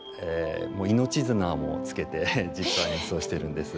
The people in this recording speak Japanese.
命綱もつけて実際にそうしてるんです。